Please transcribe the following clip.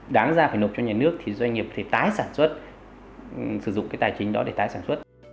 đáng ra phải nộp cho nhà nước thì doanh nghiệp thì tái sản xuất sử dụng cái tài chính đó để tái sản xuất